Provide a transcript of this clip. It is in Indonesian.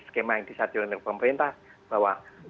skema yang disajikan oleh pemerintah bahwa